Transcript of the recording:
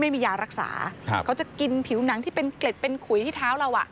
ไม่มียารักษาครับเขาจะกินผิวหนังที่เป็นเกล็ดเป็นขุยที่เท้าเราอ่ะ